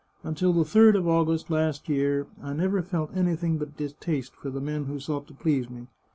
Until the third of August last year, I never felt anything but distaste for the men who sought to please me.